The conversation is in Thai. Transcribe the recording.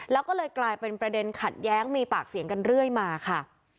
แล้วก็เลยกลายเป็นประเด็นขัดแย้งมีปากเสียงกันเรื่อยมาค่ะ